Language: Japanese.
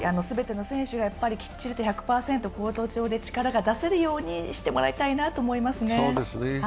全ての選手がきっちりと１００％コート上で力が出せるようにしてもらいたいなと思いますね。